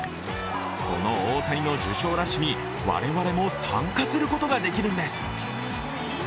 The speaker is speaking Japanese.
この大谷の受賞ラッシュに我々も参加することができるんです。